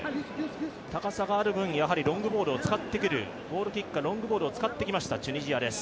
高さがある分、ロングボールを使ってくる、ロングボールを使ってきました、チュニジアです。